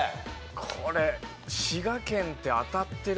これ滋賀県って。